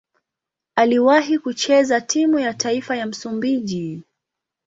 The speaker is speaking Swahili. Aliwahi kucheza timu ya taifa ya Msumbiji.